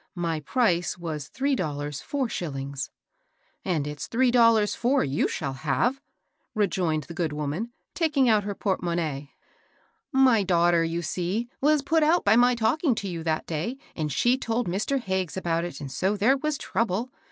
My price was three dollars four shillings." " And it's three dollars four jovjl ^caSJ^ \ai?i^T^ 856 MABEL BOSS. rejoined the good woman, taking out lier port monnaie. " My daughter, you see, was put out by my talking to you that day, and she told Mr. Hag ges about it, and so there was trouble.